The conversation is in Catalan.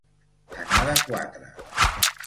Anar de quatre.